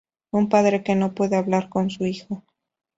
Un padre que no puede hablar con su hijo.